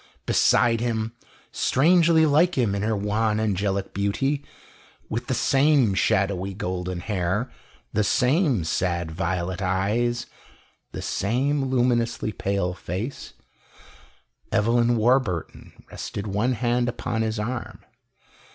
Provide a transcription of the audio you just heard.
Beside him, strangely like him in her wan, angelic beauty, with the same shadowy golden hair, the same sad violet eyes, the same luminously pale face, Evelyn Warburton rested one hand upon his arm.